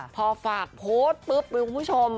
พอฝากโพสต์ปุ๊บคุณผู้ชม